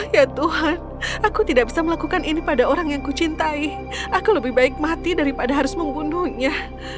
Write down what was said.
ya tuhan aku tidak bisa melakukan ini pada orang yang ku cintai aku lebih baik mati daripada harus membunuhnya